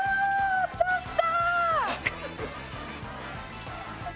当たった！